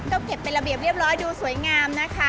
ก็เก็บเป็นระเบียบเรียบร้อยดูสวยงามนะคะ